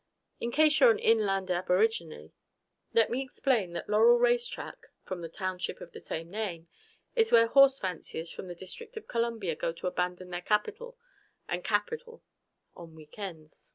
In case you're an inland aborigine, let me explain that Laurel race track (from the township of the same name) is where horse fanciers from the District of Columbia go to abandon their Capitol and capital on weekends.